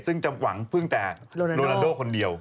ซึ่งจำหวังแต่โรนาโดคนเดียว